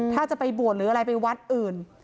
ถ้าจะไปบวชหรืออะไรไปวัดอื่น